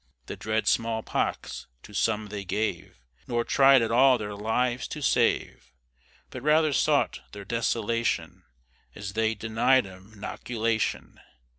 The dread smallpox to some they gave, Nor tried at all their lives to save, But rather sought their desolation, As they denied 'em 'noculation.